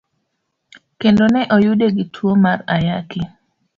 Kendo ne oyude gi tuo mar Ayaki.